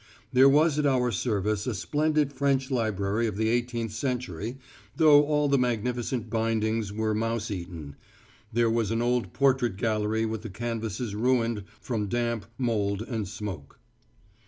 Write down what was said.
There was at our service a splendid French library of the eighteenth century, though all the magnificent bindings were mouse eaten. There was an old portrait gallery with the canvases ruined from damp, mould, and smoke.